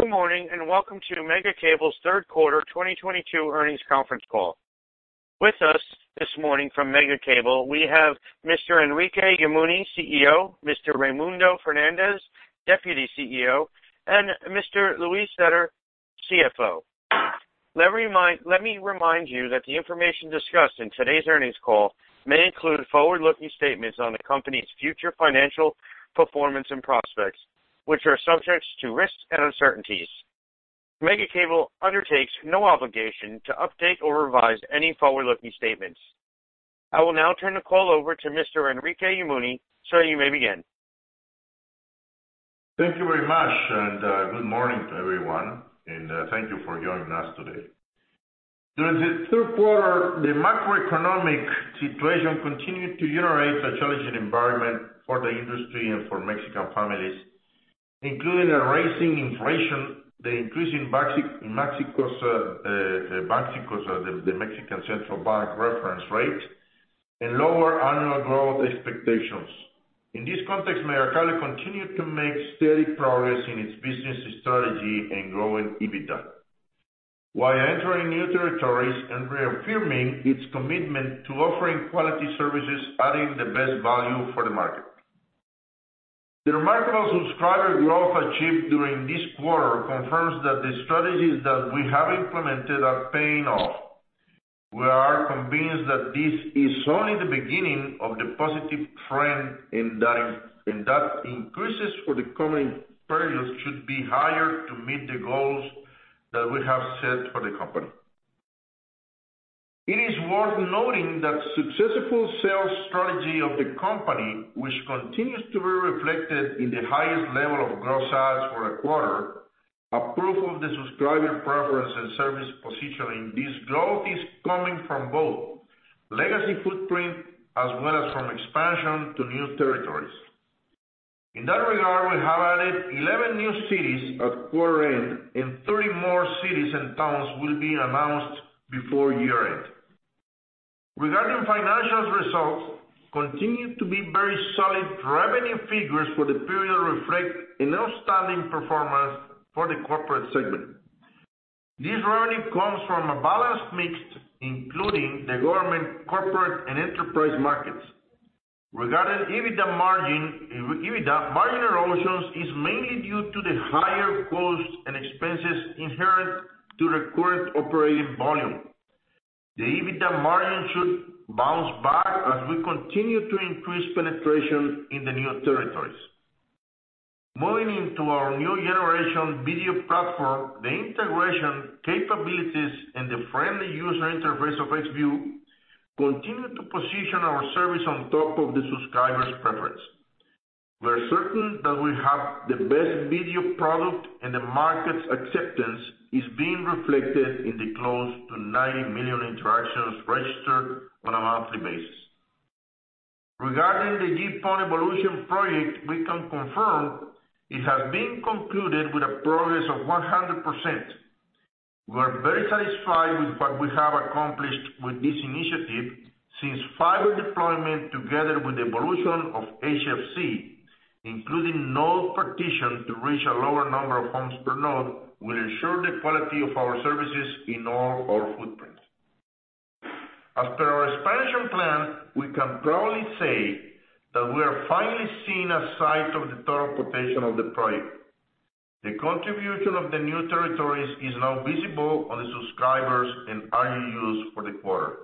Good morning, and welcome to Megacable's third quarter 2022 earnings conference call. With us this morning from Megacable, we have Mr. Enrique Yamuni, CEO, Mr. Raymundo Fernández, Deputy CEO, and Mr. Luis Zetter, CFO. Let me remind you that the information discussed in today's earnings call may include forward-looking statements on the company's future financial performance and prospects, which are subject to risks and uncertainties. Megacable undertakes no obligation to update or revise any forward-looking statements. I will now turn the call over to Mr. Enrique Yamuni. Sir, you may begin. Thank you very much, and good morning to everyone. Thank you for joining us today. During the third quarter, the macroeconomic situation continued to generate a challenging environment for the industry and for Mexican families, including a rising inflation, the increase in Banxico's the Mexican central bank reference rate and lower annual growth expectations. In this context, Megacable continued to make steady progress in its business strategy and growing EBITDA, while entering new territories and reaffirming its commitment to offering quality services, adding the best value for the market. The remarkable subscriber growth achieved during this quarter confirms that the strategies that we have implemented are paying off. We are convinced that this is only the beginning of the positive trend, and that increases for the coming periods should be higher to meet the goals that we have set for the company. It is worth noting the successful sales strategy of the company, which continues to be reflected in the highest level of gross adds for a quarter, proof of the subscriber preference and service positioning. This growth is coming from both legacy footprint as well as from expansion to new territories. In that regard, we have added 11 new cities at quarter end, and 30 more cities and towns will be announced before year-end. Regarding financial results, continue to be very solid. Revenue figures for the period reflect an outstanding performance for the corporate segment. This revenue comes from a balanced mix, including the government, corporate, and enterprise markets. Regarding EBITDA margin, EBITDA margin erosion is mainly due to the higher costs and expenses inherent to the current operating volume. The EBITDA margin should bounce back as we continue to increase penetration in the new territories. Moving into our new generation video platform, the integration capabilities and the friendly user interface of Xview continue to position our service on top of the subscribers' preference. We're certain that we have the best video product, and the market's acceptance is being reflected in the close to 90 million interactions registered on a monthly basis. Regarding the GPON evolution project, we can confirm it has been concluded with a progress of 100%. We are very satisfied with what we have accomplished with this initiative since fiber deployment together with evolution of HFC, including node partition to reach a lower number of homes per node, will ensure the quality of our services in all our footprints. As per our expansion plan, we can proudly say that we are finally seeing a sign of the total potential of the project. The contribution of the new territories is now visible on the subscribers and RGUs for the quarter.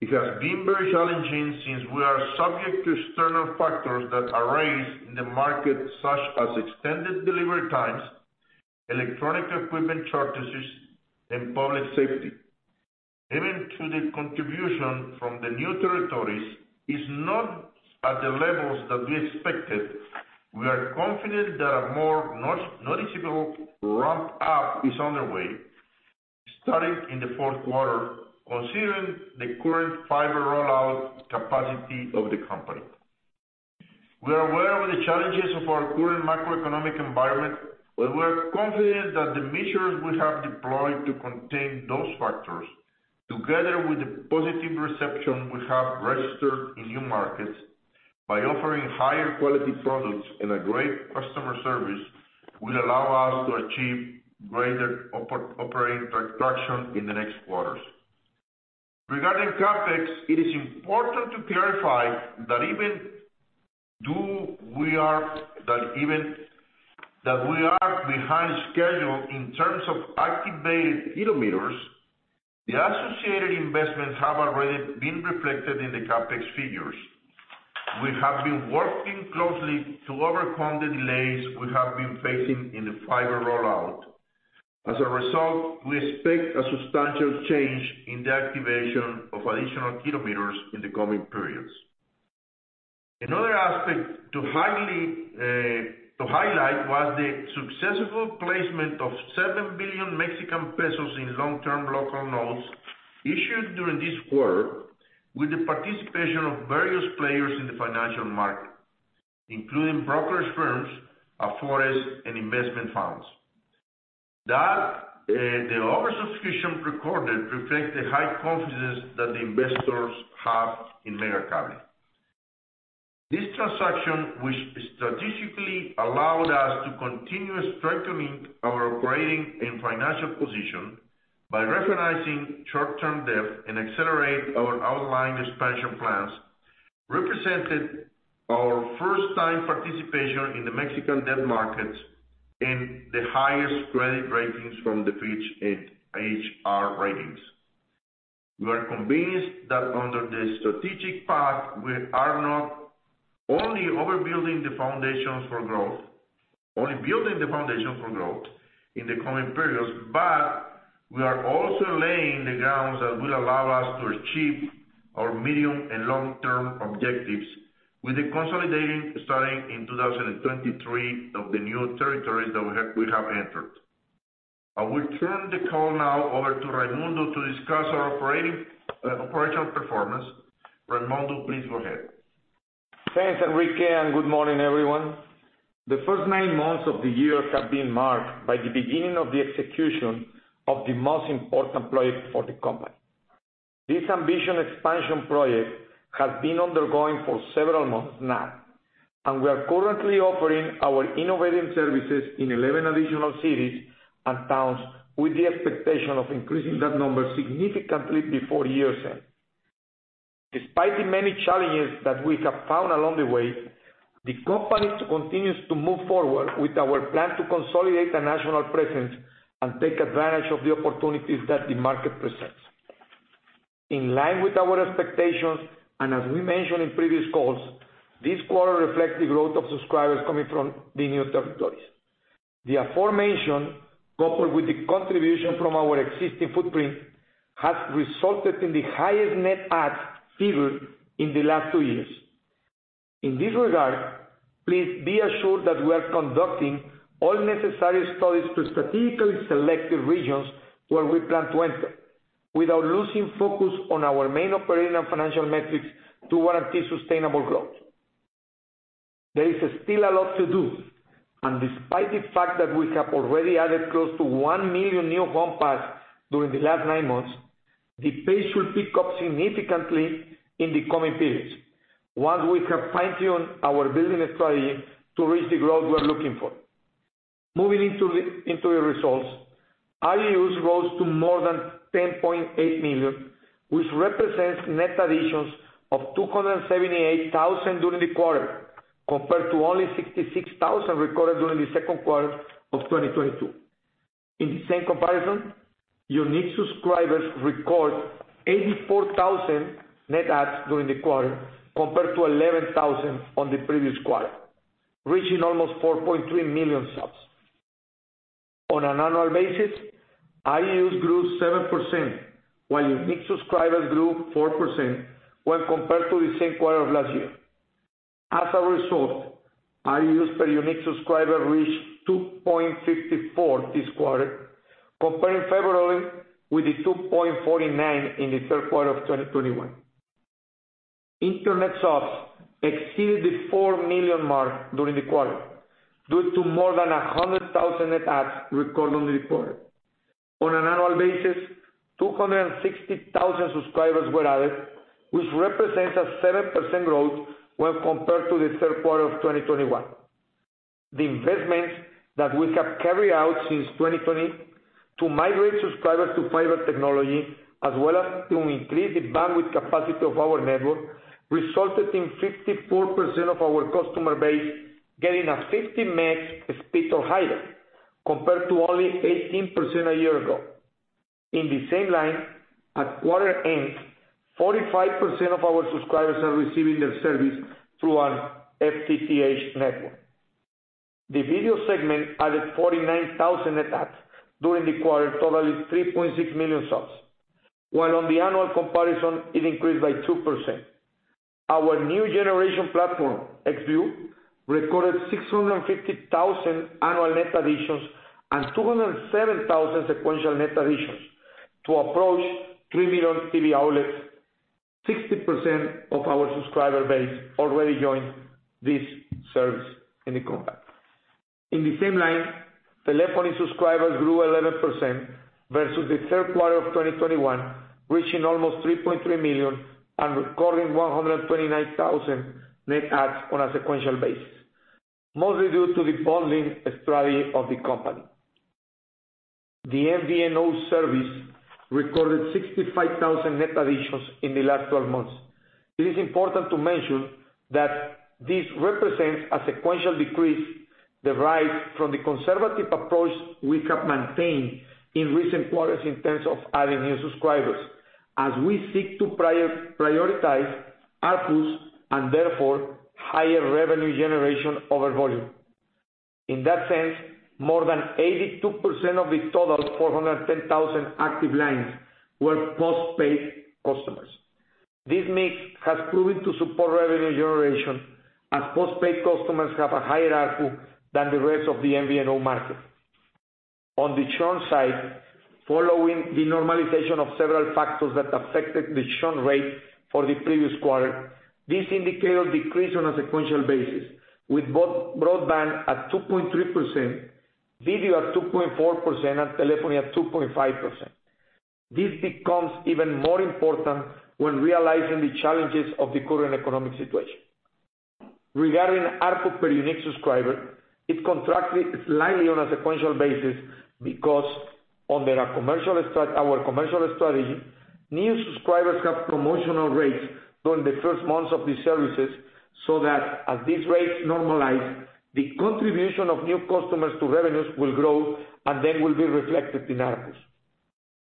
It has been very challenging since we are subject to external factors that arise in the market, such as extended delivery times, electronic equipment shortages, and public safety. Even though the contribution from the new territories is not at the levels that we expected, we are confident that a more noticeable ramp up is underway, starting in the fourth quarter, considering the current fiber rollout capacity of the company. We are aware of the challenges of our current macroeconomic environment, but we are confident that the measures we have deployed to contain those factors, together with the positive reception we have registered in new markets by offering higher quality products and a great customer service, will allow us to achieve greater operating traction in the next quarters. Regarding CapEx, it is important to clarify that even though we are behind schedule in terms of activated kilometers, the associated investments have already been reflected in the CapEx figures. We have been working closely to overcome the delays we have been facing in the fiber rollout. As a result, we expect a substantial change in the activation of additional kilometers in the coming periods. Another aspect to highlight was the successful placement of 7 billion Mexican pesos in long-term local notes issued during this quarter with the participation of various players in the financial market, including brokerage firms, AFORES and investment funds. That the oversubscription recorded reflects the high confidence that the investors have in Megacable. This transaction, which strategically allowed us to continue strengthening our operating and financial position by recognizing short-term debt and accelerate our outlying expansion plans, represented our first time participation in the Mexican debt market and the highest credit ratings from Fitch and HR Ratings. We are convinced that under the strategic path, we are not only building the foundation for growth in the coming periods, but we are also laying the grounds that will allow us to achieve our medium and long-term objectives with the consolidating starting in 2023 of the new territories that we have entered. I will turn the call now over to Raymundo to discuss our operational performance. Raymundo, please go ahead. Thanks, Enrique, and good morning, everyone. The first nine months of the year have been marked by the beginning of the execution of the most important project for the company. This ambitious expansion project has been underway for several months now, and we are currently offering our innovative services in 11 additional cities and towns, with the expectation of increasing that number significantly before year's end. Despite the many challenges that we have found along the way, the company continues to move forward with our plan to consolidate a national presence and take advantage of the opportunities that the market presents. In line with our expectations, and as we mentioned in previous calls, this quarter reflects the growth of subscribers coming from the new territories. The aforementioned, coupled with the contribution from our existing footprint, has resulted in the highest net adds ever in the last two years. In this regard, please be assured that we are conducting all necessary studies to strategically select the regions where we plan to enter without losing focus on our main operating and financial metrics to warrant sustainable growth. There is still a lot to do, and despite the fact that we have already added close to 1 million new homes passed during the last nine months, the pace should pick up significantly in the coming periods once we have fine-tuned our building strategy to reach the growth we are looking for. Moving into the results, RGUs rose to more than 10.8 million, which represents net additions of 278,000 during the quarter, compared to only 66,000 recorded during the second quarter of 2022. In the same comparison, unique subscribers record 84,000 net adds during the quarter, compared to 11,000 net adds on the previous quarter, reaching almost 4.3 million subs. On an annual basis, RGUs grew 7%, while unique subscribers grew 4% when compared to the same quarter of last year. As a result, RGUs per unique subscriber reached 2.54 this quarter, comparing favorably with the 2.49 in the third quarter of 2021. Internet subs exceeded the 4 million mark during the quarter, due to more than 100,000 net adds recorded on the quarter. On an annual basis, 260,000 subscribers were added, which represents a 7% growth when compared to the third quarter of 2021. The investments that we have carried out since 2020 to migrate subscribers to fiber technology, as well as to increase the bandwidth capacity of our network, resulted in 54% of our customer base getting a 50 Mbps speed or higher, compared to only 18% a year ago. In the same line, at quarter end, 45% of our subscribers are receiving their service through an FTTH network. The video segment added 49,000 net adds during the quarter, totaling 3.6 million subs, while on the annual comparison it increased by 2%. Our new generation platform, Xview, recorded 650,000 annual net additions and 207,000 sequential net additions to approach 3 million TV outlets. 60% of our subscriber base already joined this service in the company. In the same line, telephony subscribers grew 11% versus the third quarter of 2021, reaching almost 3.3 million and recording 129,000 net adds on a sequential basis, mostly due to the bundling strategy of the company. The MVNO service recorded 65,000 net additions in the last 12 months. It is important to mention that this represents a sequential decrease arising from the conservative approach we have maintained in recent quarters in terms of adding new subscribers as we seek to prioritize ARPU and therefore higher revenue generation over volume. In that sense, more than 82% of the total 410,000 active lines were postpaid customers. This mix has proven to support revenue generation as postpaid customers have a higher ARPU than the rest of the MVNO market. On the churn side, following the normalization of several factors that affected the churn rate for the previous quarter, this indicator decreased on a sequential basis with broadband at 2.3%, video at 2.4%, and telephony at 2.5%. This becomes even more important when realizing the challenges of the current economic situation. Regarding ARPU per unique subscriber, it contracted slightly on a sequential basis because under our commercial strategy, new subscribers have promotional rates during the first months of the services, so that as these rates normalize, the contribution of new customers to revenues will grow and then will be reflected in ARPUs.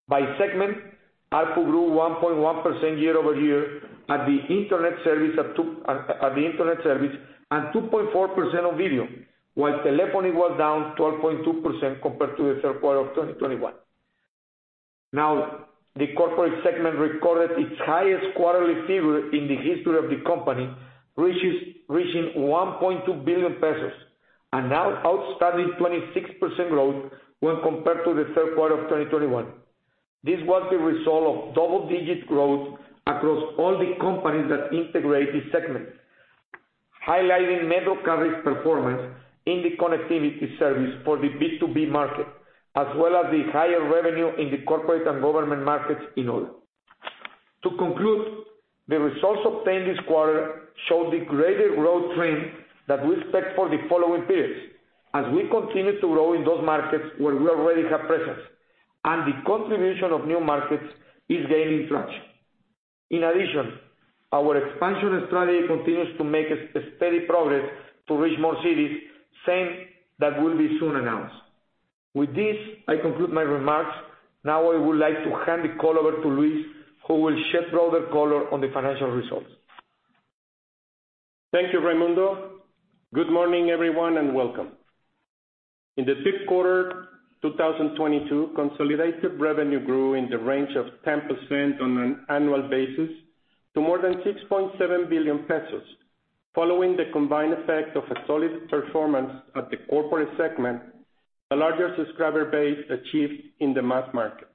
By segment, ARPU grew 1.1% year-over-year at the internet service of two. The Internet service, and 2.4% on video, while telephony was down 12.2% compared to the third quarter of 2021. Now, the corporate segment recorded its highest quarterly figure in the history of the company, reaching 1.2 billion pesos, an outstanding 26% growth when compared to the third quarter of 2021. This was the result of double digit growth across all the companies that integrate this segment, highlighting Metrocarrier's performance in the connectivity service for the B2B market, as well as the higher revenue in the corporate and government markets in order. To conclude, the results obtained this quarter show the greater growth trend that we expect for the following periods as we continue to grow in those markets where we already have presence and the contribution of new markets is gaining traction. In addition, our expansion strategy continues to make a steady progress to reach more cities, same that will be soon announced. With this, I conclude my remarks. Now I would like to hand the call over to Luis, who will shed broader color on the financial results. Thank you, Raymundo. Good morning, everyone, and welcome. In the third quarter 2022, consolidated revenue grew in the range of 10% on an annual basis to more than 6.7 billion pesos, following the combined effect of a solid performance at the corporate segment, the larger subscriber base achieved in the mass market.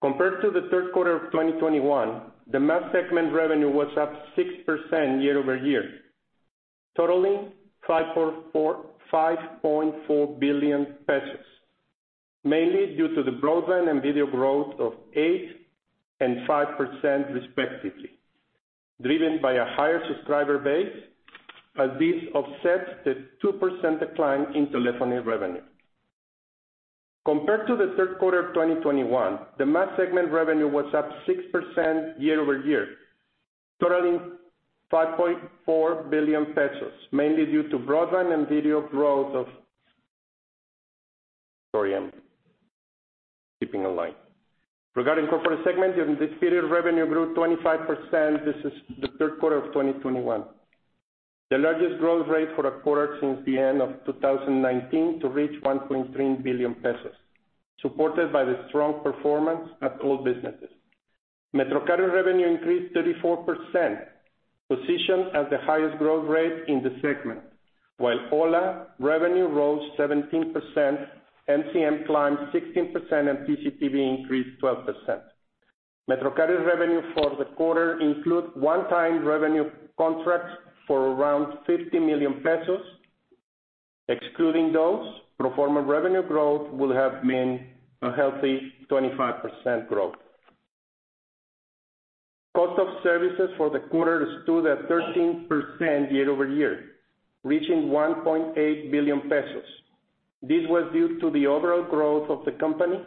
Compared to the third quarter of 2021, the mass segment revenue was up 6% year-over-year, totaling 5.4 billion pesos, mainly due to the broadband and video growth of 8% and 5% respectively, driven by a higher subscriber base, as this offsets the 2% decline in telephony revenue. Sorry, I'm keeping in line. Regarding corporate segment, in this period, revenue grew 25%. This is the third quarter of 2021. The largest growth rate for a quarter since the end of 2019 to reach 1.3 billion pesos, supported by the strong performance at all businesses. Metrocarrier revenue increased 34%, positioned as the highest growth rate in the segment, while ho1a revenue rose 17%, MCM climbed 16%, and PCTV increased 12%. Metrocarrier revenue for the quarter include 1x revenue contracts for around 50 million pesos. Excluding those, pro forma revenue growth will have been a healthy 25% growth. Cost of services for the quarter stood at 13% year-over-year, reaching 1.8 billion pesos. This was due to the overall growth of the company,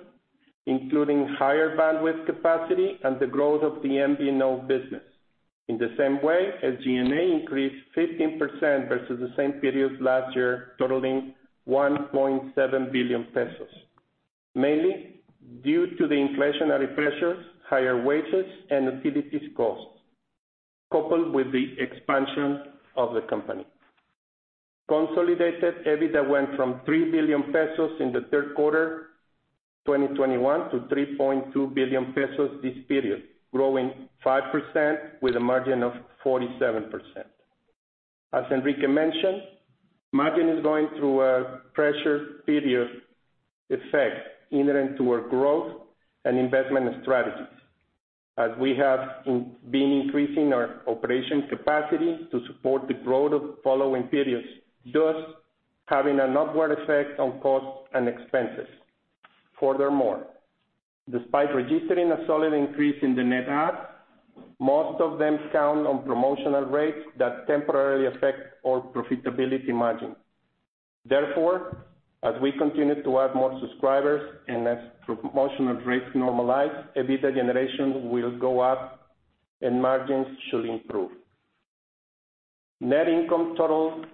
including higher bandwidth capacity and the growth of the MVNO business. In the same way, SG&A increased 15% versus the same period last year, totaling 1.7 billion pesos, mainly due to the inflationary pressures, higher wages and utilities costs, coupled with the expansion of the company. Consolidated EBITDA went from 3 billion pesos in the third quarter 2021 to 3.2 billion pesos this period, growing 5% with a margin of 47%. As Enrique mentioned, margin is going through a pressure period effect inherent to our growth and investment strategies as we have been increasing our operation capacity to support the growth of following periods, thus having an upward effect on costs and expenses. Furthermore, despite registering a solid increase in the net adds, most of them count on promotional rates that temporarily affect our profitability margin. Therefore, as we continue to add more subscribers and as promotional rates normalize, EBITDA generation will go up and margins should improve. Net income totaled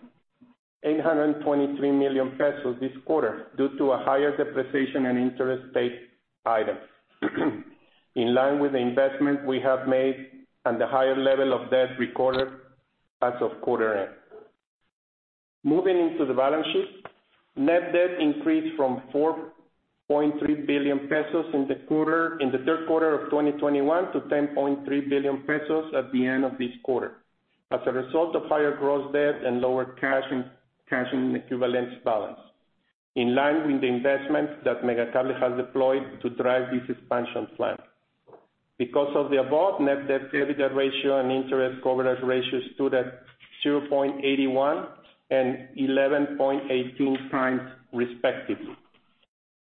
823 million pesos this quarter due to a higher depreciation and interest rate item in line with the investment we have made and the higher level of debt recorded as of quarter end. Moving into the balance sheet, net debt increased from 4.3 billion pesos in the third quarter of 2021 to 10.3 billion pesos at the end of this quarter as a result of higher gross debt and lower cash and equivalents balance in line with the investments that Megacable has deployed to drive this expansion plan. Because of the above, net debt service ratio and interest coverage ratio stood at 0.81x and 11.18x respectively.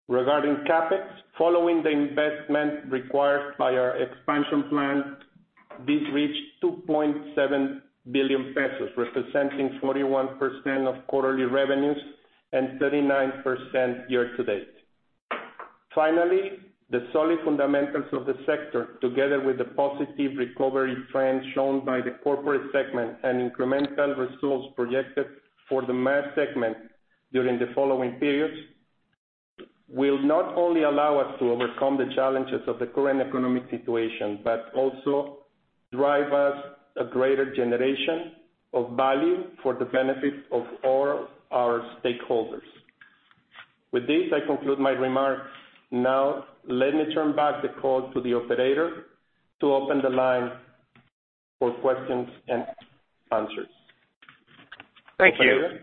Regarding CapEx, following the investment required by our expansion plan, this reached 2.7 billion pesos, representing 41% of quarterly revenues and 39% year-to-date. Finally, the solid fundamentals of the sector, together with the positive recovery trend shown by the corporate segment and incremental resource projected for the mass segment during the following periods will not only allow us to overcome the challenges of the current economic situation, but also drive us a greater generation of value for the benefit of all our stakeholders. With this, I conclude my remarks. Now let me turn back the call to the operator to open the line for questions and answers. Thank you.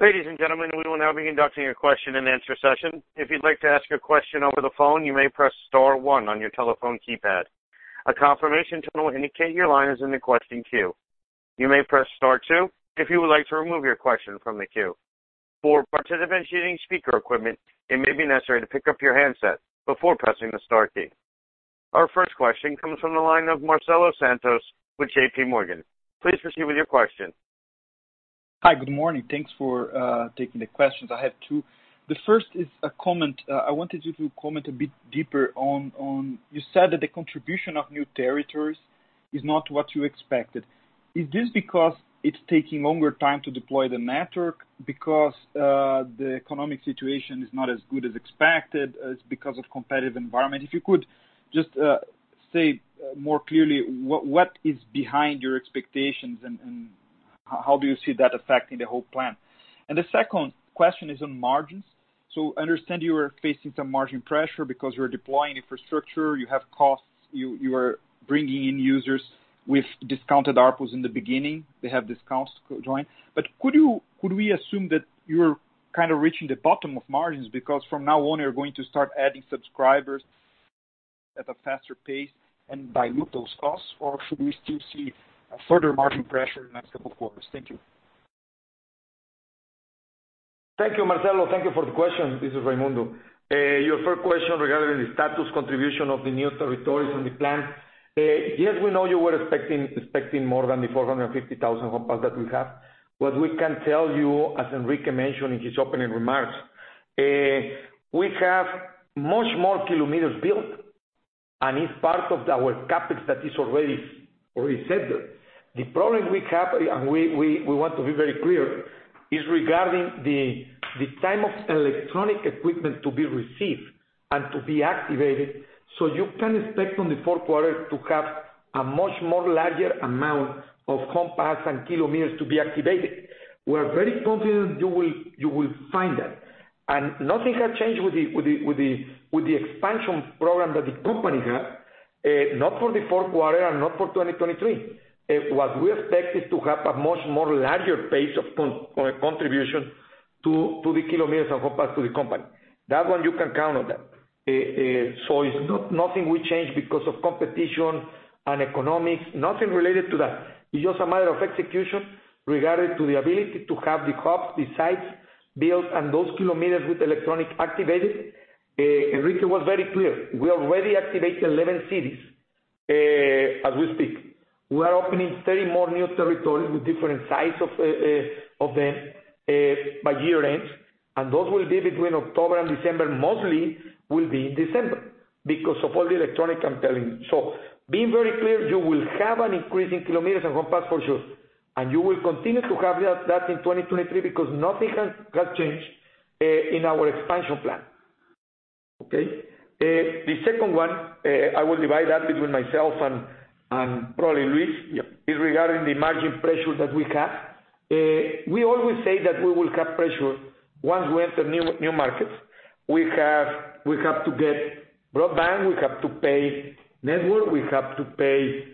Ladies and gentlemen, we will now be conducting your question-and-answer session. If you'd like to ask a question over the phone, you may press star one on your telephone keypad. A confirmation tone will indicate your line is in the question queue. You may press star two if you would like to remove your question from the queue. For participants using speaker equipment, it may be necessary to pick up your handset before pressing the star key. Our first question comes from the line of Marcelo Santos with JPMorgan. Please proceed with your question. Hi. Good morning. Thanks for taking the questions. I have two. The first is a comment. I wanted you to comment a bit deeper on what you said that the contribution of new territories is not what you expected. Is this because it's taking longer time to deploy the network? Because the economic situation is not as good as expected because of competitive environment? If you could just say more clearly what is behind your expectations and how do you see that affecting the whole plan? The second question is on margins. I understand you are facing some margin pressure because you're deploying infrastructure, you have costs, you are bringing in users with discounted ARPU in the beginning. They have discounts to join. Could we assume that you're kind of reaching the bottom of margins because from now on you're going to start adding subscribers at a faster pace and dilute those costs, or should we still see a further margin pressure next couple of quarters? Thank you. Thank you, Marcelo. Thank you for the question. This is Raymundo. Your first question regarding the status contribution of the new territories on the plan. Yes, we know you were expecting expecting more than the 450,000 homes that we have. What we can tell you, as Enrique mentioned in his opening remarks, we have much more kilometers built, and it's part of our CapEx that is already set there. The problem we have, we want to be very clear, is regarding the time of electronic equipment to be received and to be activated. You can expect from the fourth quarter to have a much more larger amount of homes passed and kilometers to be activated. We're very confident you will find that. Nothing has changed with the expansion program that the company have, not for the fourth quarter and not for 2023. What we expect is to have a much more larger pace of contribution to the kilometers to the company. That one you can count on that. It's nothing we change because of competition and economics, nothing related to that. It's just a matter of execution regarding to the ability to have the hubs, the sites built and those kilometers with electronics activated. Enrique was very clear. We already activated 11 cities, as we speak. We are opening 30 more new territories with different sites by year-end, and those will be between October and December. Most will be in December because of all the electronics, I'm telling you. To be very clear, you will have an increase in kilometers and homes passed for sure, and you will continue to have that in 2023 because nothing has changed in our expansion plan. Okay. The second one, I will divide that between myself and probably Luis. Yeah. It's regarding the margin pressure that we have. We always say that we will have pressure once we enter new markets. We have to get broadband, we have to pay network, we have to pay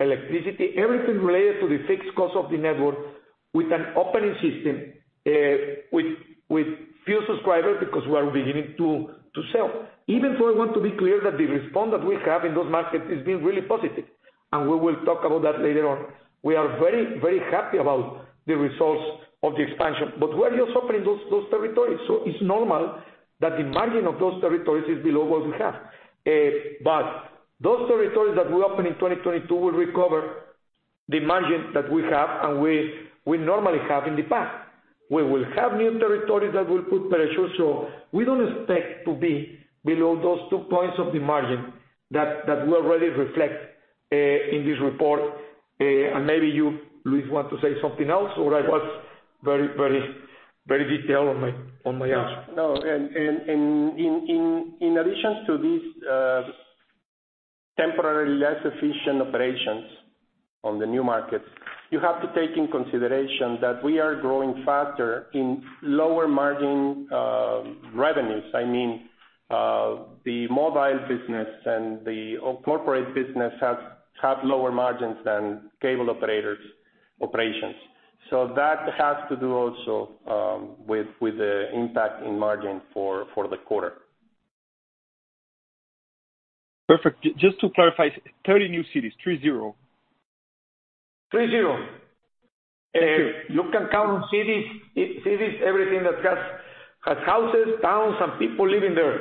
electricity, everything related to the fixed cost of the network with an opening system with few subscribers because we are beginning to sell. Even so, I want to be clear that the response that we have in those markets is being really positive, and we will talk about that later on. We are very happy about the results of the expansion, but we're just opening those territories, so it's normal that the margin of those territories is below what we have. Those territories that will open in 2022 will recover the margin that we have and we normally have in the past. We will have new territories that will put pressure, so we don't expect to be below those two points of the margin that we already reflect in this report. Maybe you, Luis, want to say something else or I was very detailed on my answer. No. In addition to these temporary less efficient operations in the new markets, you have to take into consideration that we are growing faster in lower margin revenues. I mean, the mobile business and the corporate business has had lower margins than cable operators operations. That has to do also with the impact in margin for the quarter. Perfect. Just to clarify, 30 new cities? 30? 30. You can count cities, cities, everything that has houses, towns, and people living there.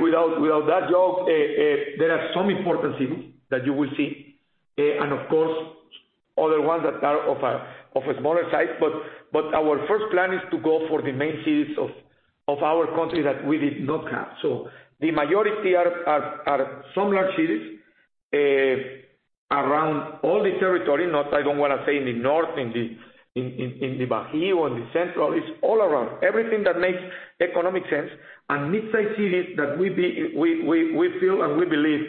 Without that job, there are some important cities that you will see, and of course other ones that are of a smaller size. Our first plan is to go for the main cities of our country that we did not have. The majority are some large cities around all the territory. I don't wanna say in the north, in the Bajío, or the central. It's all around. Everything that makes economic sense and mid-sized cities that we feel and we believe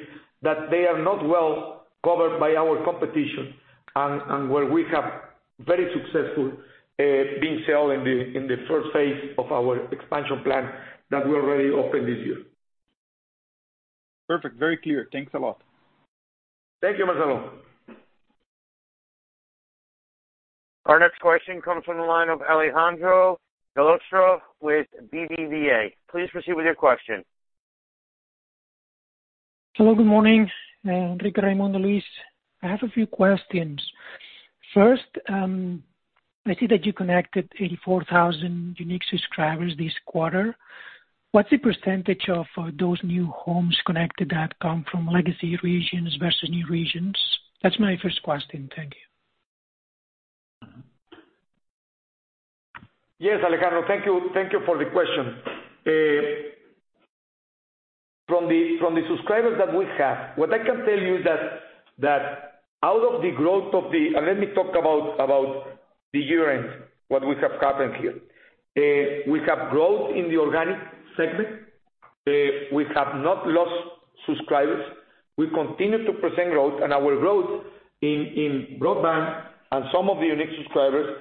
that they are not well covered by our competition and where we have very successful business in the first phase of our expansion plan that we already opened this year. Perfect. Very clear. Thanks a lot. Thank you, Marcelo. Our next question comes from the line of Alejandro Gallostra with BBVA. Please proceed with your question. Hello, good morning. Raymundo, Luis. I have a few questions. First, I see that you connected 84,000 unique subscribers this quarter. What's the percentage of those new homes connected that come from legacy regions versus new regions? That's my first question. Thank you. Yes, Alejandro. Thank you for the question. From the subscribers that we have, what I can tell you is that out of the growth of the. Let me talk about the year-end, what we have happened here. We have growth in the organic segment. We have not lost subscribers. We continue to present growth and our growth in broadband and some of the unique subscribers,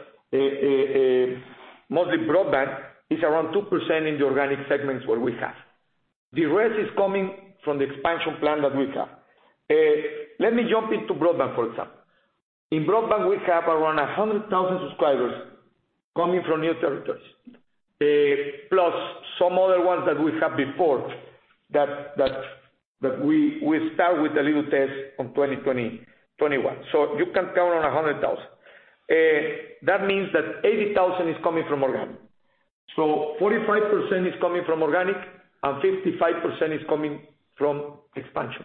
mostly broadband, is around 2% in the organic segments where we have. The rest is coming from the expansion plan that we have. Let me jump into broadband, for example. In broadband, we have around 100,000 subscribers coming from new territories, plus some other ones that we have before that we start with a little test in 2021. You can count on 100,000. That means that 80,000 is coming from organic. 45% is coming from organic and 55% is coming from expansion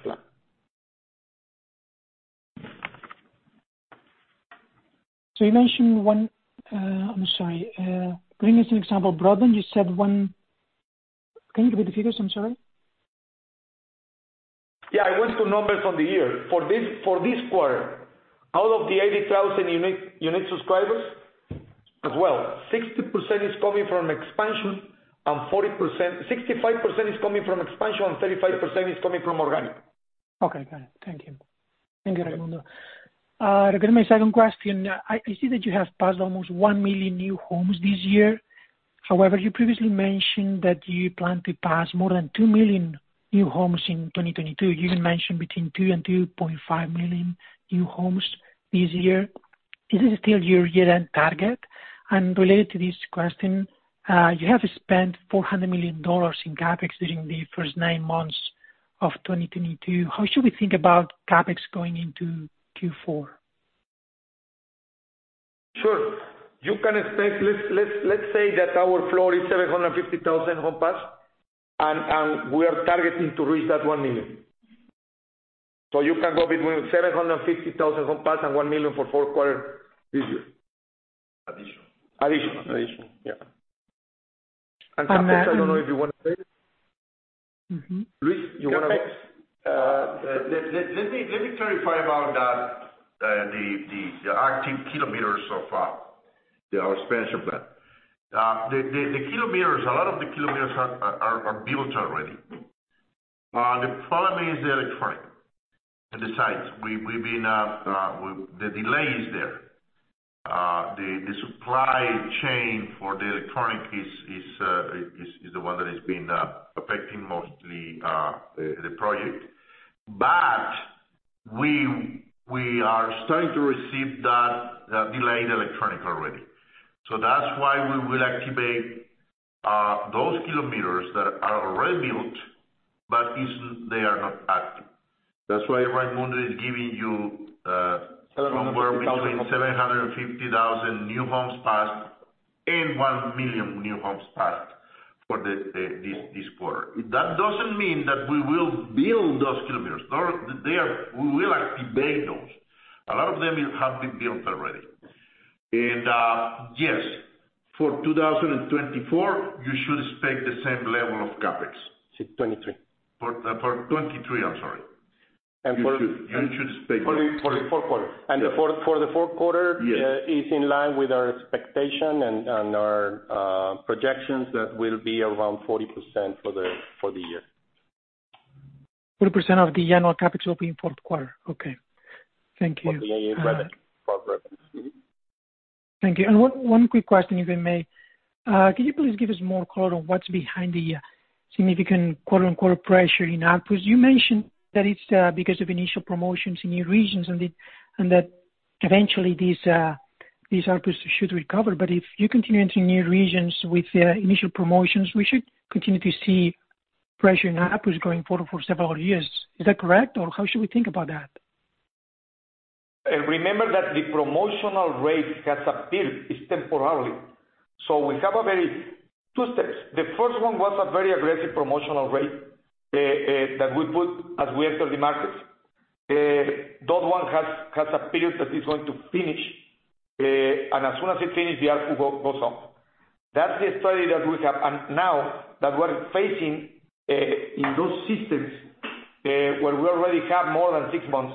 plan. You mentioned one, I'm sorry. Bring us an example. Broadband, you said one. Can you give me the figures? I'm sorry. Yeah, I went to numbers on the year. For this quarter, out of the 80,000 unique subscribers as well, 60% is coming from expansion and 40%. 65% is coming from expansion and 35% is coming from organic. Okay, got it. Thank you. Thank you, Raymundo. Raymundo, my second question. I see that you have passed almost 1 million new homes this year. However, you previously mentioned that you plan to pass more than 2 million new homes in 2022. You even mentioned between 2 million and 2.5 million new homes this year. Is this still your year-end target? Related to this question, you have spent $400 million in CapEx during the first nine months of 2022. How should we think about CapEx going into Q4? Sure. You can expect. Let's say that our floor is 750,000 homes passed and we are targeting to reach that 1 million. You can go between 750,000 homes passed and 1 million for fourth quarter this year. Additional. Additional. Additional. Yeah. Carlos, I don't know if you wanna say. Luis, you wanna- Let me clarify about that, the active kilometers of our expansion plan. The kilometers, a lot of the kilometers are built already. The problem is the electronics and the sites. The delay is there. The supply chain for the electronics is the one that has been affecting mostly the project. But we are starting to receive that delayed electronics already. So that's why we will activate those kilometers that are already built, but they are not active. That's why Raymundo is giving you. 750,000. Somewhere between 750,000 new homes passed and 1 million new homes passed for this quarter. That doesn't mean that we will build those kilometers. There, they are. We will activate those. A lot of them have been built already. Yes, for 2024, you should expect the same level of CapEx. 6:23. For 2023. I'm sorry. You should expect- For the fourth quarter. Yeah. for the fourth quarter Yes is in line with our expectation and our projections that will be around 40% for the year. 40% of the annual CapEx will be in fourth quarter. Okay. Thank you. Of revenue. Thank you. One quick question, if I may. Could you please give us more color on what's behind the significant quarter-on-quarter pressure in ARPU? You mentioned that it's because of initial promotions in new regions and that eventually these ARPU should recover. If you continue entering new regions with initial promotions, we should continue to see pressure in ARPU going forward for several years. Is that correct? Or how should we think about that? Remember that the promotional rate has a peak, it's temporary. We have two steps. The first one was a very aggressive promotional rate that we put as we enter the markets. That one has a period that is going to finish. As soon as it finish, the ARPU goes up. That's the study that we have. Now that we're facing in those systems where we already have more than six months,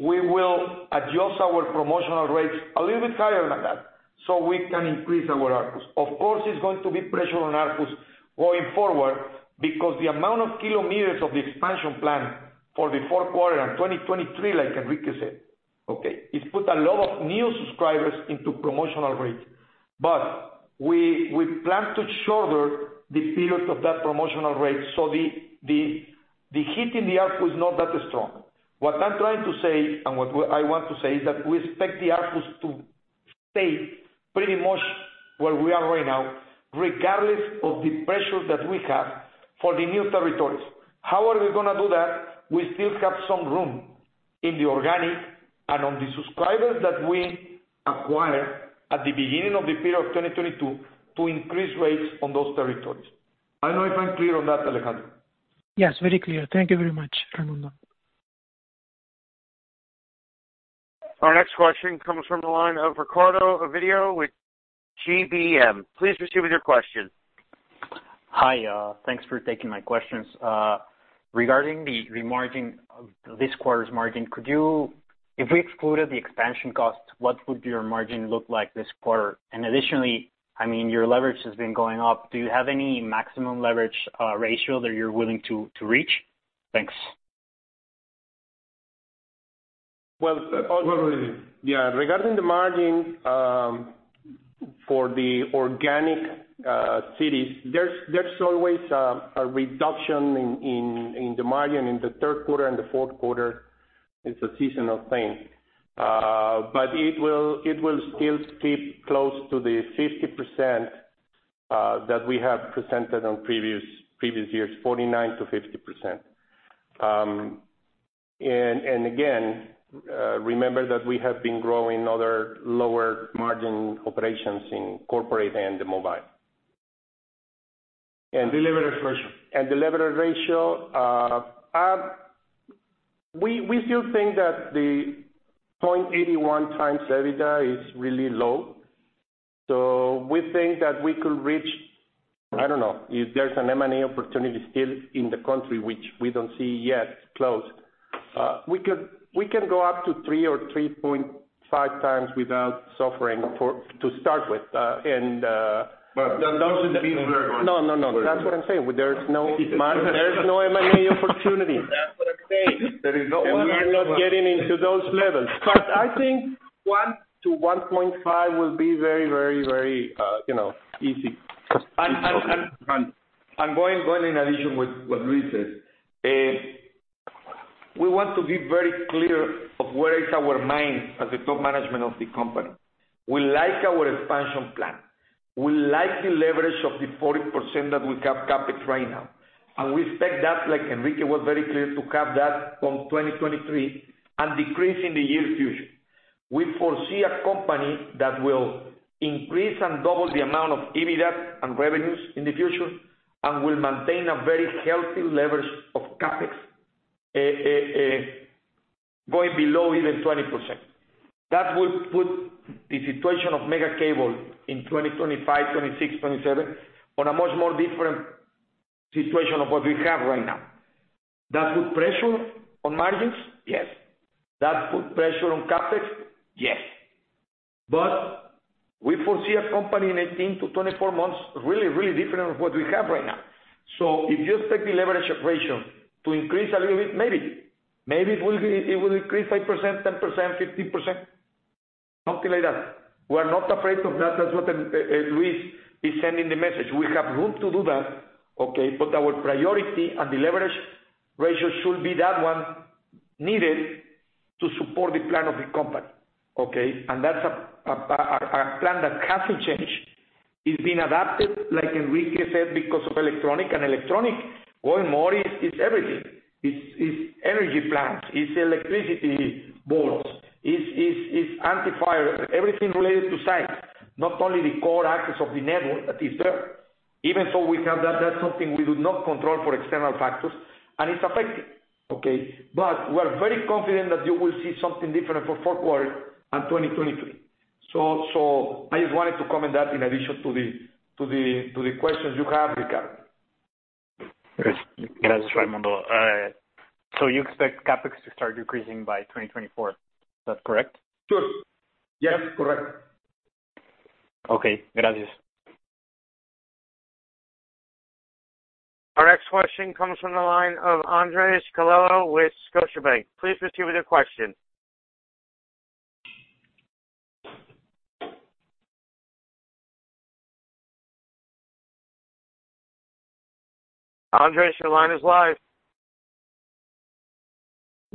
we will adjust our promotional rates a little bit higher than that so we can increase our ARPU. Of course, it's going to be pressure on ARPU going forward because the amount of kilometers of the expansion plan for the fourth quarter and 2023, like Enrique said, it put a lot of new subscribers into promotional rate. We plan to shorten the period of that promotional rate, so the hit in the ARPU is not that strong. What I'm trying to say and I want to say is that we expect the ARPU to stay pretty much where we are right now, regardless of the pressure that we have for the new territories. How are we gonna do that? We still have some room in the organic and on the subscribers that we acquire at the beginning of the period of 2022 to increase rates on those territories. I don't know if I'm clear on that, Alejandro. Yes, very clear. Thank you very much, Raymundo. Our next question comes from the line of Ricardo Oviedo with GBM. Please proceed with your question. Hi, thanks for taking my questions. Regarding the remargining of this quarter's margin, if we excluded the expansion cost, what would your margin look like this quarter? Additionally, I mean, your leverage has been going up. Do you have any maximum leverage ratio that you're willing to reach? Thanks. Well, Go ahead, Luis. Yeah. Regarding the margin, for the organic cities, there's always a reduction in the margin in the third quarter and the fourth quarter. It's a seasonal thing. It will still keep close to the 50% that we have presented on previous years, 49%-50%. Again, remember that we have been growing other lower margin operations in corporate and the mobile. Leverage ratio. The leverage ratio, we still think that the 0.81x EBITDA is really low. We think that we could reach, I don't know, if there's an M&A opportunity still in the country, which we don't see yet close. We can go up to 3x or 3.5x without suffering to start with. No. That's what I'm saying. There's no M&A opportunity. That's what I'm saying. We are not getting into those levels. I think 1x-1.5x will be very, you know, easy. Going in addition with what Luis said, we want to be very clear of where is our mind as the top management of the company. We like our expansion plan. We like the leverage of the 40% that we have CapEx right now, and we expect that, like Enrique was very clear, to have that from 2023 and decrease in the years future. We foresee a company that will increase and double the amount of EBITDA and revenues in the future and will maintain a very healthy leverage of CapEx, going below even 20%. That would put the situation of Megacable in 2025, 2026, 2027 on a much more different situation of what we have right now. That put pressure on margins? Yes. That put pressure on CapEx? Yes. We foresee a company in 18-24 months really, really different of what we have right now. If you expect the leverage operation to increase a little bit, maybe. Maybe it will be, it will increase 5%, 10%, 15%. Something like that. We're not afraid of that. That's what Luis is sending the message. We have room to do that, okay? Our priority and the leverage ratio should be that one needed to support the plan of the company, okay? That's a plan that hasn't changed. It's been adapted, like Enrique said, because of electronic, and electronic more and more it's everything. It's energy plans, electricity bills, anti-fire, everything related to sites, not only the core access of the network that is there. Even so, we have that. That's something we do not control for external factors, and it's affecting, okay? We're very confident that you will see something different for fourth quarter and 2023. I just wanted to comment that in addition to the questions you have, Ricardo. Yes. Gracias, Raymundo. You expect CapEx to start decreasing by 2024, is that correct? Sure. Yes. Correct. Okay. Gracias. Next question comes from the line of Andrés Coello with Scotiabank. Please proceed with your question. Andrés, your line is live.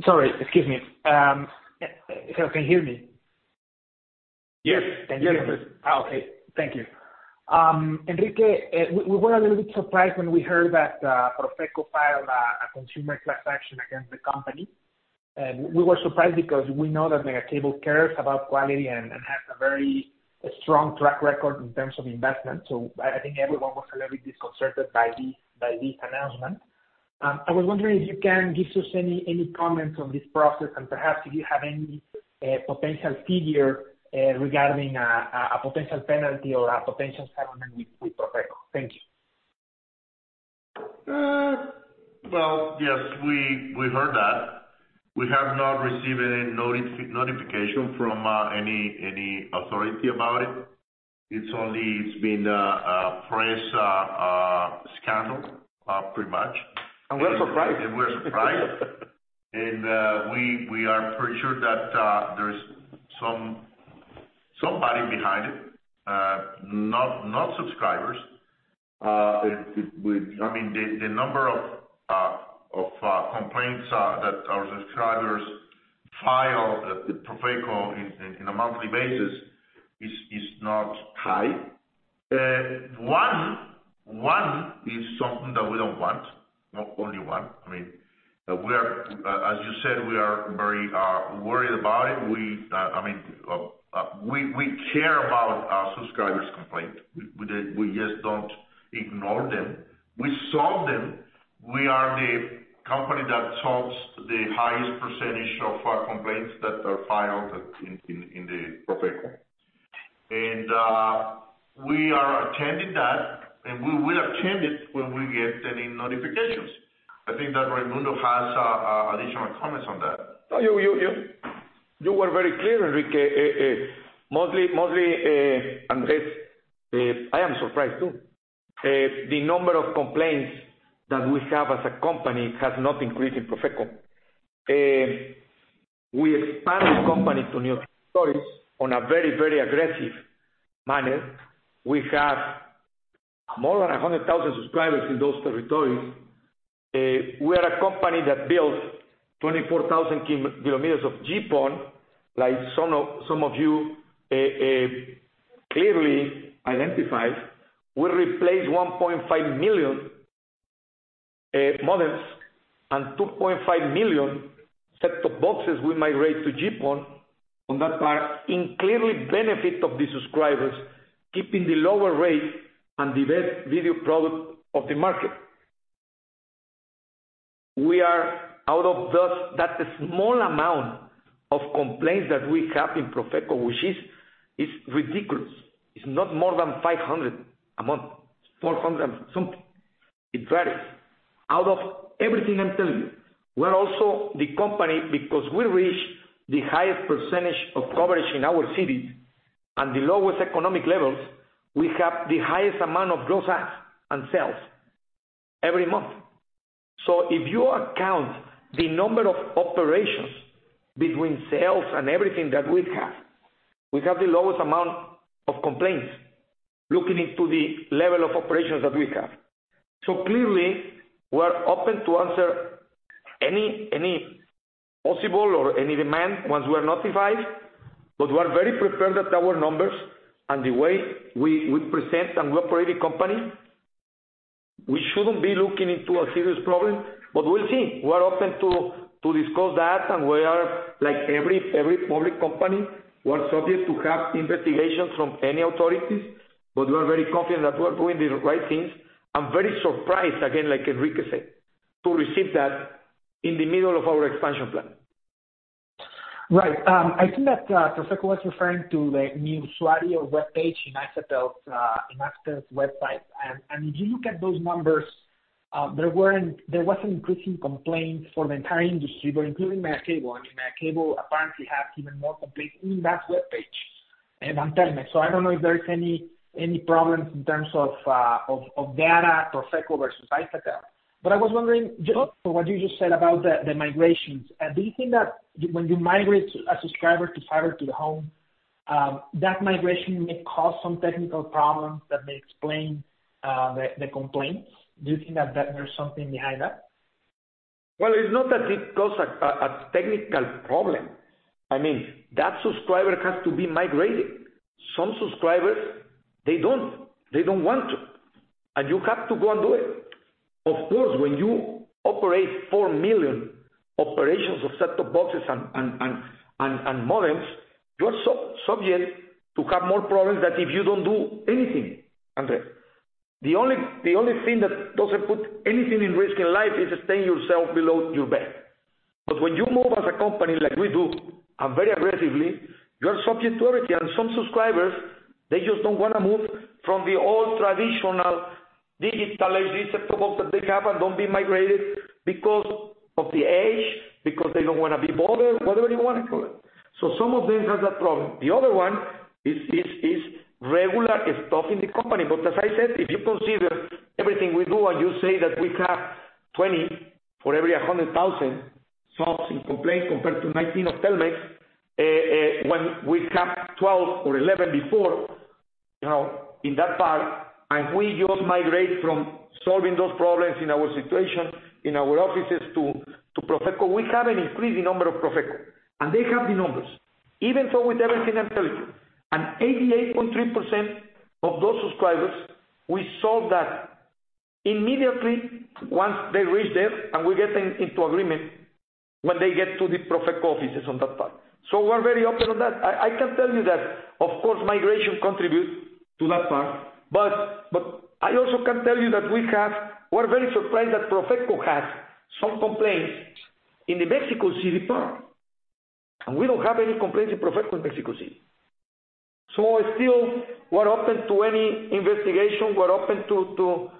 Sorry. Excuse me. If you can hear me. Yes. Thank you. Okay. Thank you. Enrique, we were a little bit surprised when we heard that PROFECO filed a consumer class action against the company. We were surprised because we know that Megacable cares about quality and has a very strong track record in terms of investment. I think everyone was a little bit disconcerted by this announcement. I was wondering if you can give us any comments on this process and perhaps if you have any potential figure regarding a potential penalty or a potential settlement with PROFECO. Thank you. Well, yes, we heard that. We have not received any notification from any authority about it. It's only been a press scandal pretty much. We're surprised. We're surprised. We are pretty sure that there's somebody behind it, not subscribers. I mean, the number of complaints that our subscribers file with PROFECO on a monthly basis is not high. One is something that we don't want, not only one. I mean, we are, as you said, we are very worried about it. We, I mean, we care about our subscribers' complaint. We just don't ignore them. We solve them. We are the company that solves the highest percentage of complaints that are filed with PROFECO. We are attending that, and we will attend it when we get any notifications. I think that Raymundo has additional comments on that. No, you were very clear, Enrique. Mostly, Andres, I am surprised too. The number of complaints that we have as a company has not increased in PROFECO. We expanded company to new territories on a very aggressive manner. We have more than 100,000 subscribers in those territories. We are a company that builds 24,000 km of GPON, like some of you clearly identified. We replaced 1.5 million models and 2.5 million set-top boxes we migrate to GPON on that part in clearly benefit of the subscribers, keeping the lower rate and the best video product of the market. We are out of that small amount of complaints that we have in PROFECO, which is ridiculous. It's not more than 500 a month, 400 something. It varies. Out of everything I'm telling you, we're also the company because we reach the highest percentage of coverage in our city and the lowest economic levels, we have the highest amount of gross adds and sales every month. If you account the number of operations between sales and everything that we have, we have the lowest amount of complaints looking into the level of operations that we have. Clearly, we're open to answer any possible or any demand once we're notified. We're very prepared that our numbers and the way we present and we operate the company, we shouldn't be looking into a serious problem, but we'll see. We're open to discuss that. We are like every public company, we're subject to have investigations from any authorities, but we are very confident that we are doing the right things. I'm very surprised, again, like Enrique said, to receive that in the middle of our expansion plan. Right. I think that PROFECO was referring to the new study or webpage in Axtel's website. If you look at those numbers, there was an increasing complaint for the entire industry, but including Megacable. I mean, Megacable apparently has even more complaints in that webpage. I'm telling it, so I don't know if there is any problems in terms of data PROFECO versus IFT. I was wondering also what you just said about the migrations. Do you think that when you migrate a subscriber to fiber to the home, that migration may cause some technical problems that may explain the complaints? Do you think that there's something behind that? Well, it's not that it causes a technical problem. I mean, that subscriber has to be migrated. Some subscribers, they don't. They don't want to. You have to go and do it. Of course, when you operate 4 million operations of set-top boxes and modems, you're subject to have more problems than if you don't do anything, Andres. The only thing that doesn't put anything at risk in life is staying yourself below your bed. When you move as a company like we do, and very aggressively, you are subject to everything. Some subscribers, they just don't wanna move from the old traditional digitalized set-top box that they have and don't be migrated because of the age, because they don't wanna be bothered, whatever you wanna call it. Some of these has that problem. The other one is regular stuff in the company. As I said, if you consider everything we do and you say that we have 20 for every 100,000 subs in complaints compared to 19 of Telmex, when we have 12 or 11 before, you know, in that part, and we just migrate from solving those problems in our situation, in our offices to PROFECO, we have an increasing number of PROFECO, and they have the numbers. Even so with everything I'm telling you, and 88.3% of those subscribers, we solve that immediately once they reach there, and we get them into agreement when they get to the PROFECO offices on that part. We're very open on that. I can tell you that, of course, migration contributes to that part, but I also can tell you that we're very surprised that PROFECO has some complaints in the Mexico City part, and we don't have any complaints in PROFECO in Mexico City. Still, we're open to any investigation. We're open to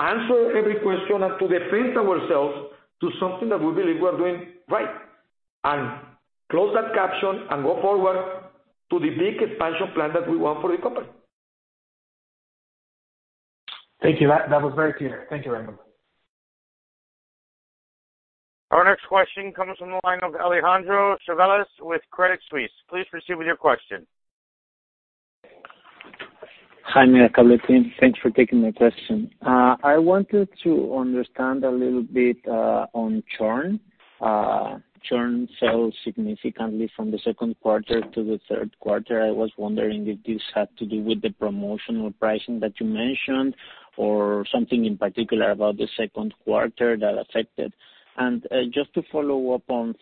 answer every question and to defend ourselves to something that we believe we are doing right, and close that chapter and go forward to the big expansion plan that we want for the company. Thank you. That was very clear. Thank you very much. Our next question comes from the line of [Alejandro Chavelas] with Credit Suisse. Please proceed with your question. Hi, Mia. Thanks for taking my question. I wanted to understand a little bit on churn. Churn sells significantly from the second quarter to the third quarter. I was wondering if this had to do with the promotional pricing that you mentioned or something in particular about the second quarter that affected. Just to follow up on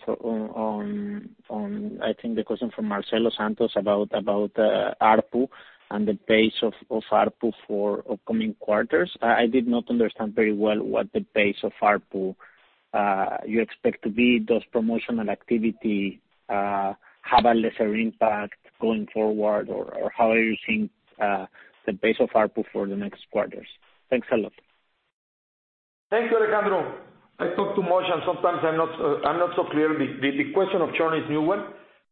the question from Marcelo Santos about ARPU and the pace of ARPU for upcoming quarters. I did not understand very well what the pace of ARPU you expect to be. Does promotional activity have a lesser impact going forward or how are you seeing the pace of ARPU for the next quarters? Thanks a lot. Thanks, Alejandro. I talk too much and sometimes I'm not so clear. The question of churn is new one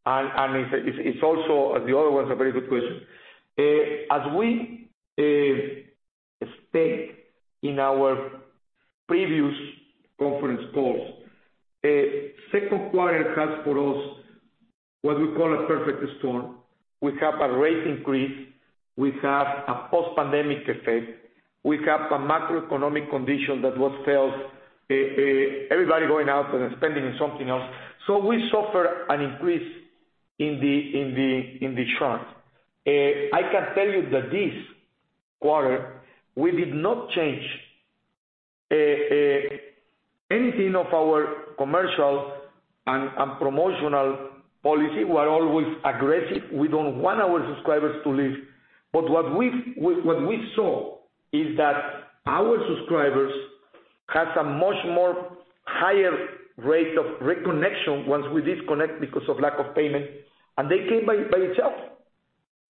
and it's also the other one's a very good question. As we state in our previous conference calls, second quarter has for us what we call a perfect storm. We have a rate increase, we have a post-pandemic effect, we have a macroeconomic condition that was felt, everybody going out and spending on something else. We suffer an increase in the churn. I can tell you that this quarter we did not change anything of our commercial and promotional policy. We are always aggressive. We don't want our subscribers to leave. What we saw is that our subscribers has a much more higher rate of reconnection once we disconnect because of lack of payment, and they came by itself.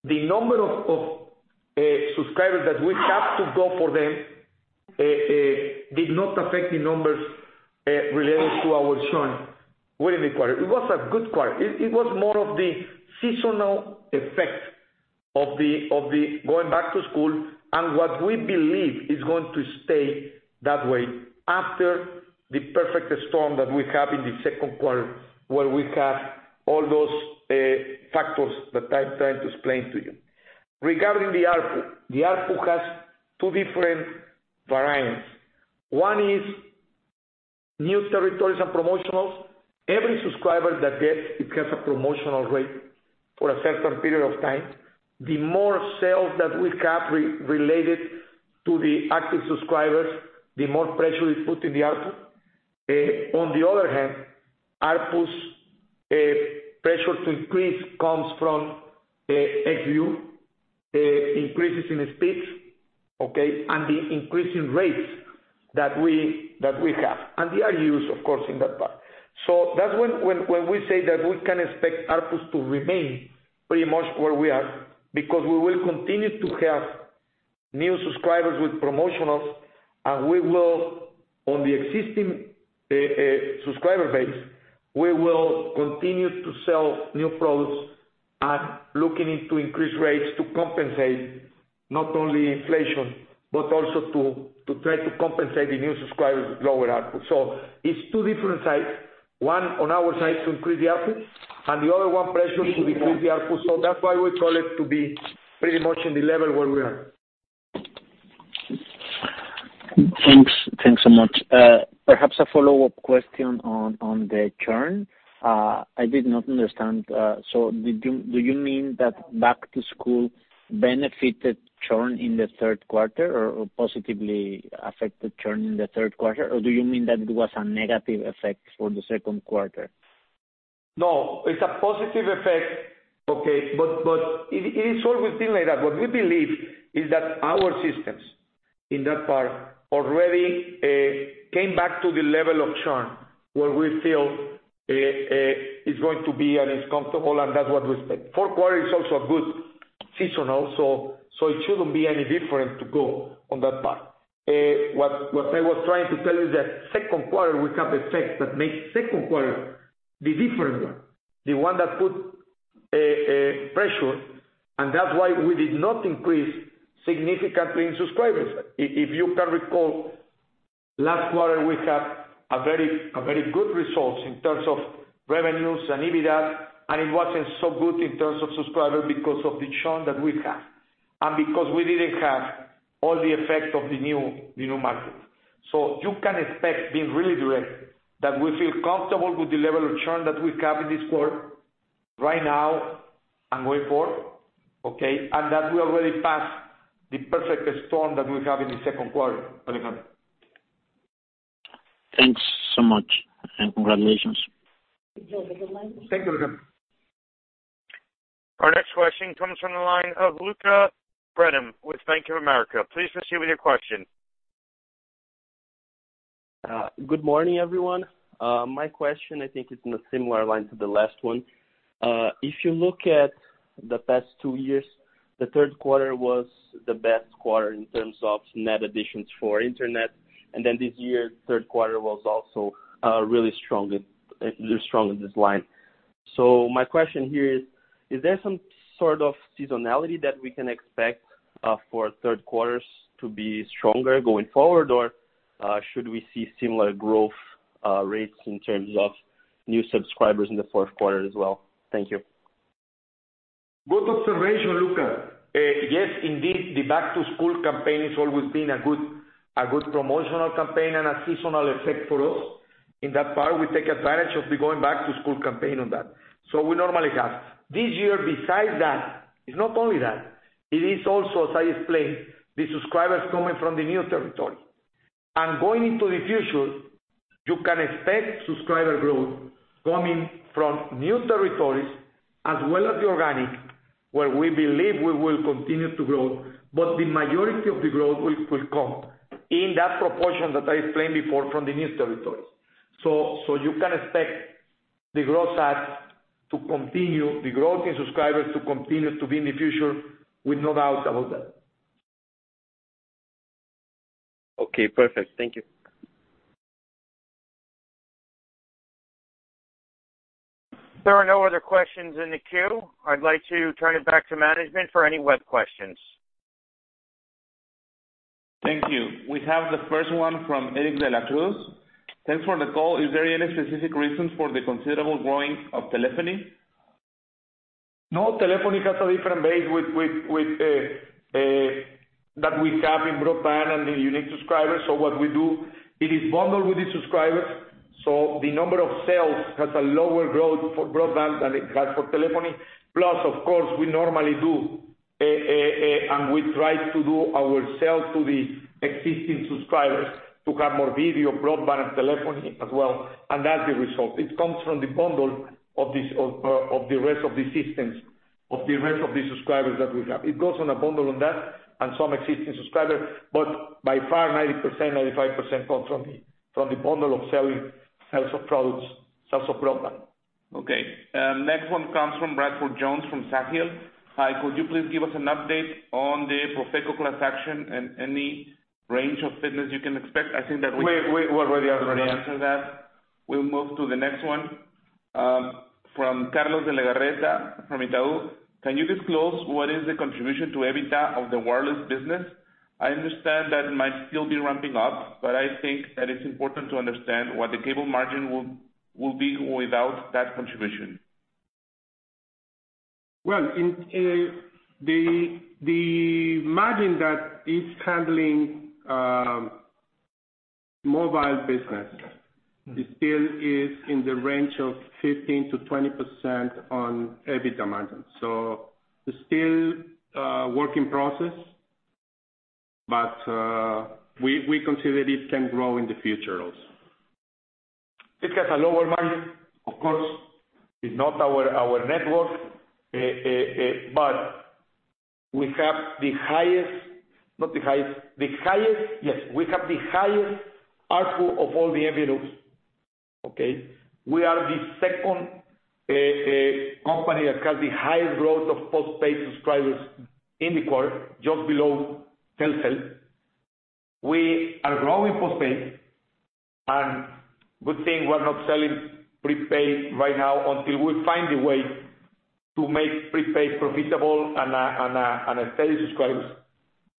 The number of subscribers that we have to go for them did not affect the numbers related to our churn within the quarter. It was a good quarter. It was more of the seasonal effect of the going back to school and what we believe is going to stay that way after the perfect storm that we have in the second quarter, where we have all those factors that I'm trying to explain to you. Regarding the ARPU. The ARPU has two different variants. One is new territories and promotionals. Every subscriber that gets it gets a promotional rate for a certain period of time. The more sales that we have related to the active subscribers, the more pressure is put in the ARPU. On the other hand, ARPU's pressures increase comes from RGU, increases in speed, okay, and the increase in rates that we have. The RGUs, of course, in that part. That's when we say that we can expect ARPUs to remain pretty much where we are because we will continue to have new subscribers with promotionals, and we will on the existing subscriber base, we will continue to sell new products and looking into increased rates to compensate not only inflation, but also to try to compensate the new subscribers with lower ARPU. It's two different sides, one on our side to increase the ARPU and the other one pressure to decrease the ARPU. That's why we call it to be pretty much in the level where we are. Thanks. Thanks so much. Perhaps a follow-up question on the churn. I did not understand. Do you mean that back to school benefited churn in the third quarter or positively affected churn in the third quarter? Do you mean that it was a negative effect for the second quarter? No, it's a positive effect, okay? It is always been like that. What we believe is that our systems in that part already came back to the level of churn where we feel is going to be and is comfortable, and that's what we expect. Fourth quarter is also a good seasonal, so it shouldn't be any different to go on that part. I was trying to tell you that second quarter we have effects that make second quarter the different one, the one that put a pressure, and that's why we did not increase significantly in subscribers. If you can recall, last quarter we had a very good results in terms of revenues and EBITDA, and it wasn't so good in terms of subscribers because of the churn that we've had. Because we didn't have all the effect of the new market. You can expect, being really direct, that we feel comfortable with the level of churn that we have in this quarter right now and going forward, okay? That we already passed the perfect storm that we have in the second quarter, Alejandro. Thanks so much, and congratulations. Thank you. Our next question comes from the line of Lucca Brendim with Bank of America. Please proceed with your question. Good morning, everyone. My question I think is in a similar line to the last one. If you look at the past two years, the third quarter was the best quarter in terms of net additions for internet, and then this year, third quarter was also really strong at this line. My question here is there some sort of seasonality that we can expect for third quarters to be stronger going forward? Should we see similar growth rates in terms of new subscribers in the fourth quarter as well? Thank you. Good observation, Lucca. Yes, indeed, the back to school campaign has always been a good promotional campaign and a seasonal effect for us. In that part, we take advantage of the going back to school campaign on that. We normally have. This year, besides that, it's not only that, it is also, as I explained, the subscribers coming from the new territory. Going into the future, you can expect subscriber growth coming from new territories as well as the organic, where we believe we will continue to grow. The majority of the growth will come in that proportion that I explained before from the new territories. You can expect the growth side to continue, the growth in subscribers to continue to be in the future with no doubt about that. Okay. Perfect. Thank you. There are no other questions in the queue. I'd like to turn it back to management for any web questions. Thank you. We have the first one from Eric de la Cruz. Thanks for the call. Is there any specific reasons for the considerable growth of telephony? Our telephony has a different base that we have in broadband and the unique subscribers. What we do, it is bundled with the subscribers, so the number of sales has a lower growth for broadband than it has for telephony. Plus, of course, we normally do and we try to do our sales to the existing subscribers to have more video, broadband, and telephony as well, and that's the result. It comes from the bundle of the rest of the services, of the rest of the subscribers that we have. It goes on a bundle on that and some existing subscribers, but by far 90%, 95% comes from the bundle of selling sales of products, sales of broadband. Okay. Next one comes from Bradford Jones from Sagil. Hi, could you please give us an update on the PROFECO class action and any range of fines you can expect? I think that we- Wait, wait. We already answered that. We'll move to the next one, from Carlos de la Garza from Itaú. Can you disclose what is the contribution to EBITDA of the wireless business? I understand that it might still be ramping up, but I think that it's important to understand what the cable margin will be without that contribution. Well, the margin that is handling the mobile business still is in the range of 15%-20% on EBITDA margin. It's still a work in progress, but we consider it can grow in the future also. It has a lower margin, of course. It's not our network, but we have the highest ARPU of all the MVNOs. Okay? We are the second company that has the highest growth of postpaid subscribers in the quarter, just below Telcel. We are growing postpaid, and good thing we're not selling prepaid right now until we find a way to make prepaid profitable and sustain subscribers.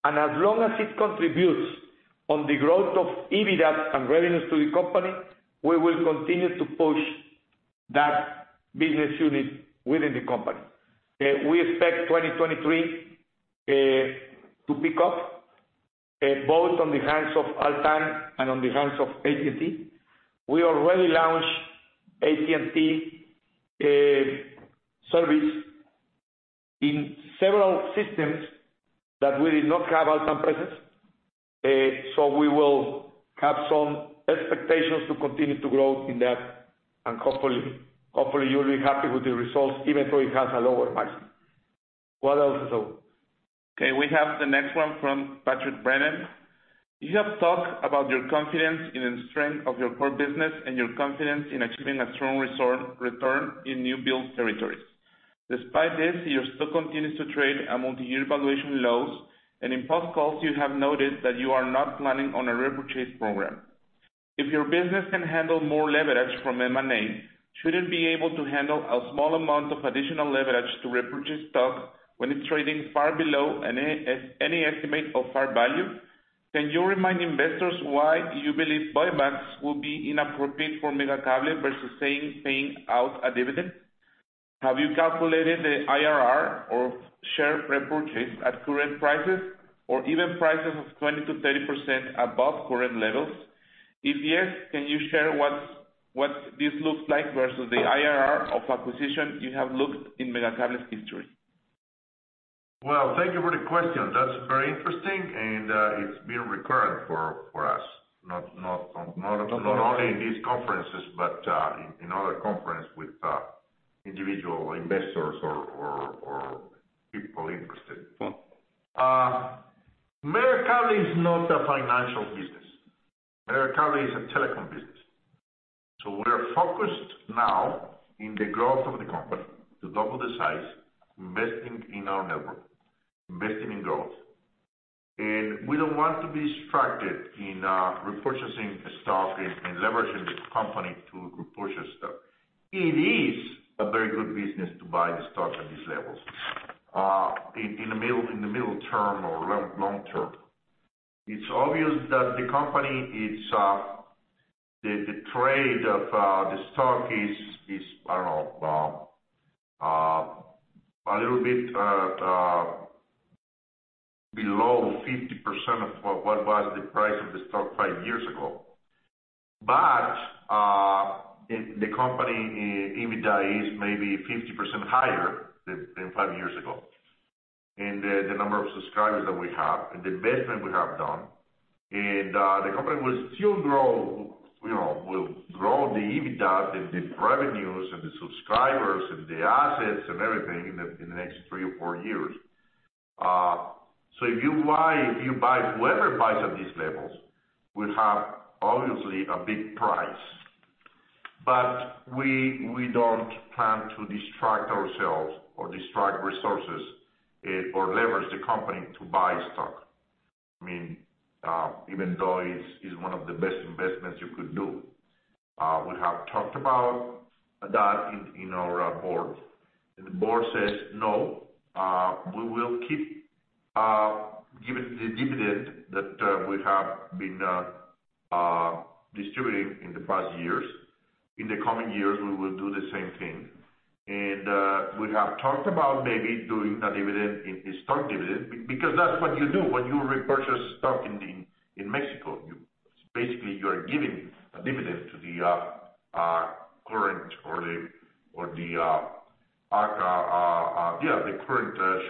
As long as it contributes on the growth of EBITDA and revenues to the company, we will continue to push that business unit within the company. We expect 2023 to pick up both on the hands of ALTÁN and on the hands of AT&T. We already launched AT&T service in several systems that we did not have ALTÁN presence. So we will have some expectations to continue to grow in that and hopefully you'll be happy with the results even though it has a lower margin. What else, Esau? Okay, we have the next one from Patrick Brennan. You have talked about your confidence in the strength of your core business and your confidence in achieving a strong return in new build territories. Despite this, your stock continues to trade at multi-year valuation lows, and in past calls you have noted that you are not planning on a repurchase program. If your business can handle more leverage from M&A, should it be able to handle a small amount of additional leverage to repurchase stock when it's trading far below any estimate of fair value? Can you remind investors why you believe buybacks will be inappropriate for Megacable versus saying paying out a dividend? Have you calculated the IRR of share repurchase at current prices or even prices of 20%-30% above current levels? If yes, can you share what this looks like versus the IRR of acquisition you have looked at in Megacable's history? Well, thank you for the question. That's very interesting, and it's been recurring for us, not only in these conferences but in other conference with individual investors or people interested. Megacable is not a financial business. Megacable is a telecom business. We're focused now in the growth of the company to double the size, investing in our network, investing in growth. We don't want to be distracted in repurchasing stock and leveraging the company to repurchase stock. It is a very good business to buy the stock at these levels in the middle term or long term. It's obvious that the company is the trading of the stock is, I don't know, a little bit below 50% of what was the price of the stock five years ago. The company EBITDA is maybe 50% higher than five years ago. The number of subscribers that we have and the investment we have done. The company will still grow, you know, will grow the EBITDA, the revenues and the subscribers and the assets and everything in the next three or four years. If you buy whoever buys at these levels will have, obviously, a big price. We don't plan to divert ourselves or divert resources or leverage the company to buy stock. I mean, even though it's one of the best investments you could do. We have talked about that in our board, and the board says no, we will keep giving the dividend that we have been distributing in the past years. In the coming years, we will do the same thing. We have talked about maybe doing a stock dividend because that's what you do when you repurchase stock in Mexico. Basically, you are giving a dividend to the current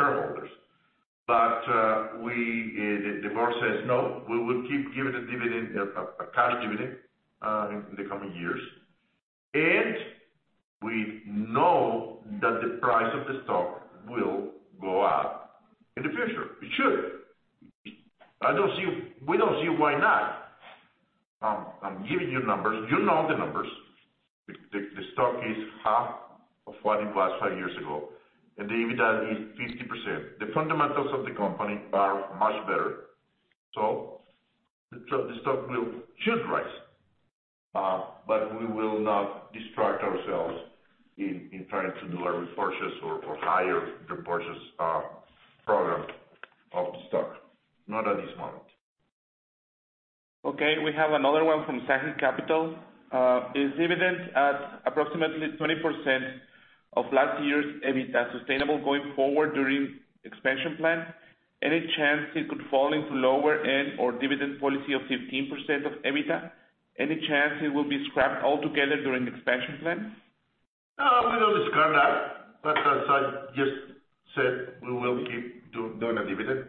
shareholders. The board says, "No, we will keep giving the dividend, a cash dividend, in the coming years." We know that the price of the stock will go up in the future. It should. We don't see why not. I'm giving you numbers. You know the numbers. The stock is half of what it was five years ago, and the EBITDA is 50%. The fundamentals of the company are much better. The stock should rise, but we will not distract ourselves in trying to do a repurchase or higher repurchase program of the stock. Not at this moment. Okay, we have another one from Sahid Capital. Is dividend at approximately 20% of last year's EBITDA sustainable going forward during expansion plan? Any chance it could fall into lower end or dividend policy of 15% of EBITDA? Any chance it will be scrapped altogether during expansion plans? We don't discard that, but as I just said, we will keep doing a dividend.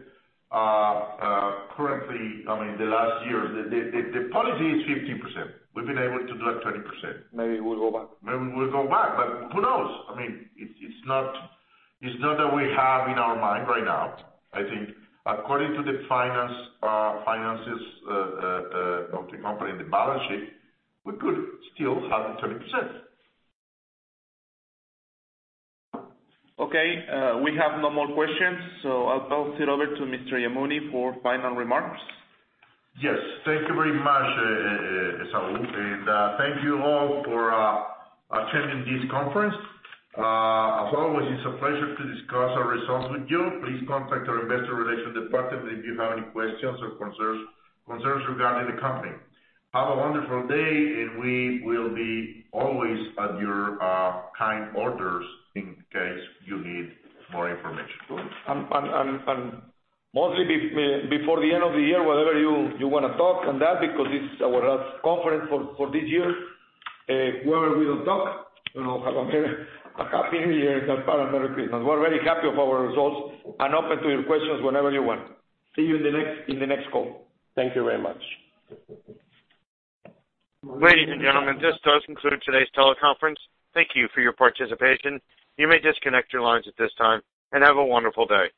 Currently, I mean, the last year, the policy is 15%. We've been able to do at 20%. Maybe we'll go back. Maybe we'll go back, but who knows? I mean, it's not that we have in our mind right now. I think according to the finances of the company and the balance sheet, we could still have the 20%. Okay, we have no more questions, so I'll pass it over to Mr. Yamuni for final remarks. Yes. Thank you very much, Esau, and thank you all for attending this conference. As always, it's a pleasure to discuss our results with you. Please contact our investor relations department if you have any questions or concerns regarding the company. Have a wonderful day, and we will be always at your kind orders in case you need more information. Mostly before the end of the year, whatever you wanna talk on that, because it's our last conference for this year, where we will talk, you know, have a very happy new year and a merry Christmas. We're very happy of our results and open to your questions whenever you want. See you in the next call. Thank you very much. Ladies and gentlemen, this does conclude today's teleconference. Thank you for your participation. You may disconnect your lines at this time, and have a wonderful day.